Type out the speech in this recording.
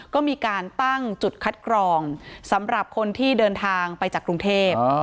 ก็มีการตั้งจุดคัดกรองสำหรับคนที่เดินทางไปจากกรุงเทพ